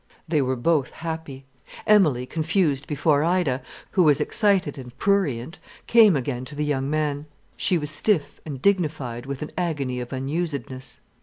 They were both happy. Emilie, confused before Ida, who was excited and prurient, came again to the young man. She was stiff and dignified with an agony of unusedness.